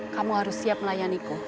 kamu harus siap melayani ku